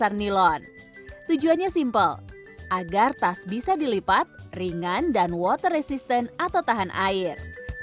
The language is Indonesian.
yang kedua adalah bahan yang digunakan dengan bahan dasar nilon tujuannya simple agar tas bisa dilipat ringan dan water resistant atau tahan air